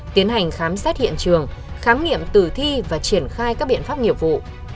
tiến hành khám xét hiện trường khám nghiệm tử thi và triển khai các biện pháp nghiệp vụ